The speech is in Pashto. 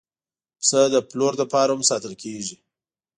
پسه د پلور لپاره هم ساتل کېږي.